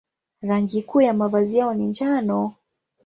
Rangi kuu ya mavazi yao ni njano.